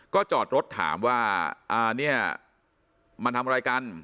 ก็จอดรถถามว่าเนี่ยมันทำอะไรกัน